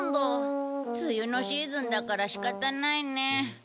梅雨のシーズンだから仕方ないね。